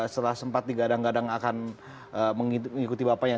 setelah sempat digadang gadang akan mengikuti bapaknya